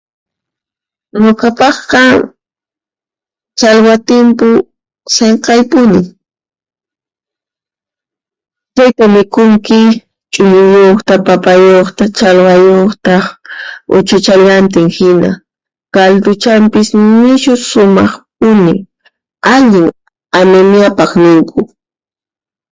Nuqapaqqa, challwa th'inpu sinqaypuni. {ínaudible} chuñuyuqta, papayuqta, challwayuqta, uchuchallantinhina calduchanpas nishu sumaqpuni, allin anemiapaq ninku.